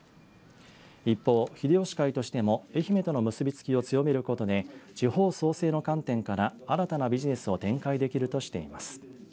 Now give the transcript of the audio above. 一方、秀吉会としても愛媛との結び付きを強めることで地方創生の観点から新たなビジネスを展開できるとしています。